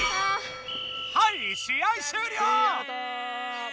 はいしあいしゅうりょう！